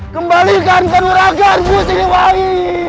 kembalikan ke nerakaanku sini wangi